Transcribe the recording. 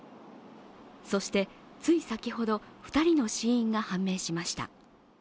そして、つい先ほど、２人の死因が判明しました。